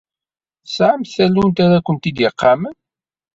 Tesɛamt tallunt ara kent-id-iqamen?